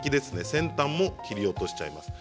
先端も切り落としちゃいます。